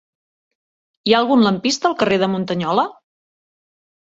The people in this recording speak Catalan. Hi ha algun lampista al carrer de Muntanyola?